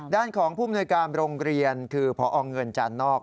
ด้านของผู้มนวยการโรงเรียนคือพอเงินจานนอก